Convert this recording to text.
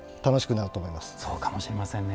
そうかもしれませんね。